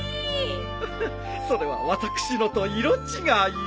ウフそれは私のと色違い。